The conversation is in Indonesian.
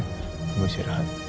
kamu bisa irahat